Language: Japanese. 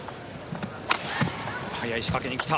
早い仕掛けに来た。